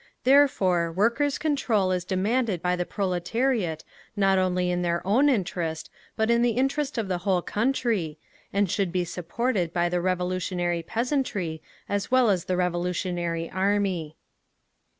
Therefore Workers' Control is demanded by the proletariat not only in their own interest, but in the interest of the whole country, and should be supported by the revolutionary peasantry as well as the revolutionary Army.